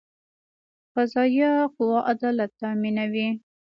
قضایه قوه عدالت تامینوي